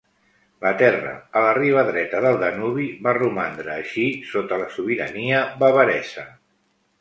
La terra a la riba dreta del Danubi va romandre així sota la sobirania bavaresa.